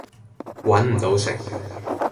搵唔到食